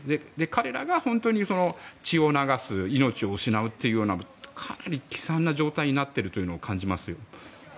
彼らが本当に血を流す命を失うというようなかなり悲惨な状態になっているというのを感じます。